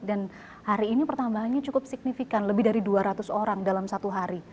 dan hari ini pertambahannya cukup signifikan lebih dari dua ratus orang dalam satu hari